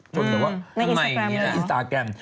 จนแต่ว่าในอินสตาแกรม